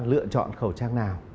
để ta lựa chọn khẩu trang nào